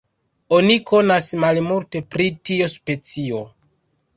Oni konas malmulte pri tiu specio.